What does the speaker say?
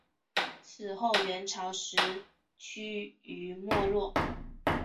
此后元朝时趋于没落。